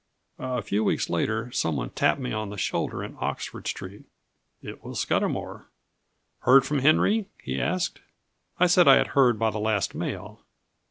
A few weeks later someone tapped me on the shoulder in Oxford Street. It was Scudamour. "Heard from Henry?" he asked. I said I had heard by the last mail.